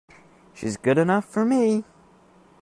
She's good enough for me!